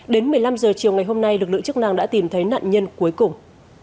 đến một mươi năm h chiều ngày hôm nay lực lượng chức năng đã tìm thấy nạn nhân cuối cùng